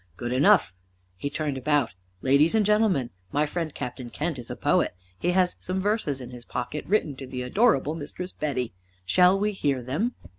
"Good enough." He turned about. "Ladies and gentlemen, my friend Captain Kent is a poet. He has some verses in his pocket written to the adorable Mistress Betty. Shall we hear them?"